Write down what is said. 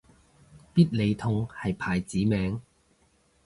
必理痛係牌子名